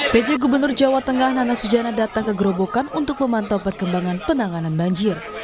pj gubernur jawa tengah nana sujana datang ke gerobokan untuk memantau perkembangan penanganan banjir